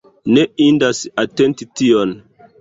Ne indas atenti tion.